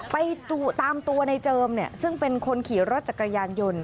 ไปตามตัวในเจิมซึ่งเป็นคนขี่รถจักรยานยนต์